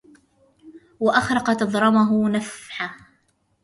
وأخرق تضرمه نفحة